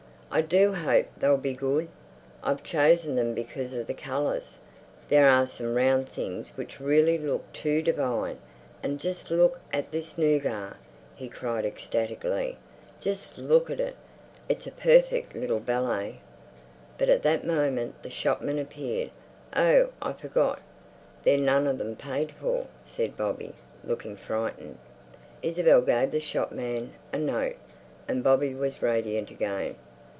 "I do hope they'll be good. I've chosen them because of the colours. There are some round things which really look too divine. And just look at this nougat," he cried ecstatically, "just look at it! It's a perfect little ballet!" But at that moment the shopman appeared. "Oh, I forgot. They're none of them paid for," said Bobby, looking frightened. Isabel gave the shopman a note, and Bobby was radiant again.